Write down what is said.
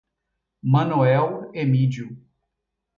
Manoel Emídio